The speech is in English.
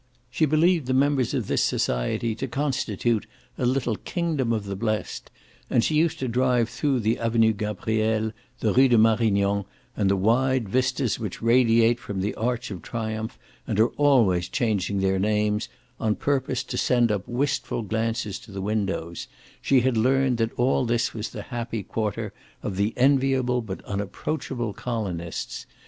She believed the members of this society to constitute a little kingdom of the blest; and she used to drive through the Avenue Gabriel, the Rue de Marignan and the wide vistas which radiate from the Arch of Triumph and are always changing their names, on purpose to send up wistful glances to the windows she had learned that all this was the happy quarter of the enviable but unapproachable colonists.